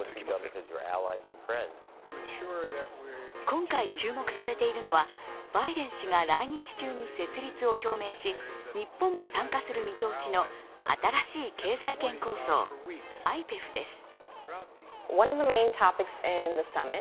今回、注目されているのはバイデン氏が来日中に設立を表明し日本も参加する見通しの新しい経済圏構想、ＩＰＥＦです。